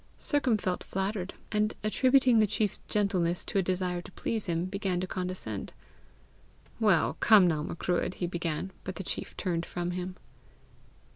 Sercombe felt flattered, and, attributing the chief's gentleness to a desire to please him, began to condescend. "Well, come now, Macruadh!" he began; but the chief turned from him.